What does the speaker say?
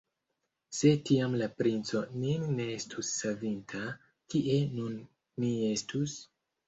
Se tiam la princo nin ne estus savinta, kie nun ni estus?